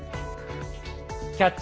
「キャッチ！